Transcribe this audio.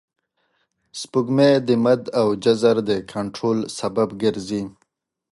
سپوږمۍ د مد او جزر د کنټرول سبب ګرځي